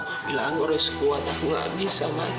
aku bilang aku harus kuat aku tidak bisa mama